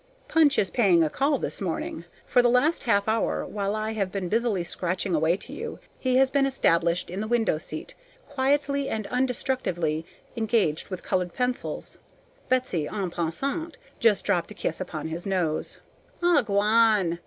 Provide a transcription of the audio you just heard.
Punch is paying a call this morning. For the last half hour, while I have been busily scratching away to you, he has been established in the window seat, quietly and undestructively engaged with colored pencils. Betsy, EN PASSANT, just dropped a kiss upon his nose. "Aw, gwan!"